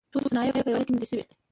ټولې صنایع په یوه بڼه ملي شوې.